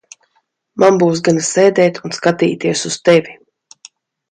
Man būs gana sēdēt un skatīties uz tevi.